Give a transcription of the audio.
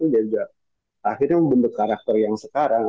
dia juga akhirnya membentuk karakter yang sekarang